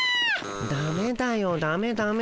ダメだよダメダメ。